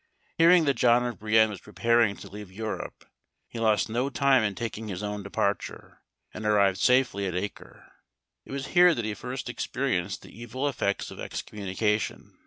Hearing that John of Brienne was preparing to leave Europe, he lost no time in taking his own departure, and arrived safely at Acre. It was here that he first experienced the evil effects of excommunication.